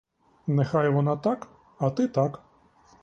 Нехай вона так, а ти так.